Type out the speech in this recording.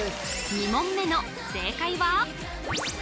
２問目の正解は？